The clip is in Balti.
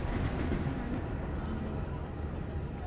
ناہسکے یانگنہ تھوکپہ اونگین یود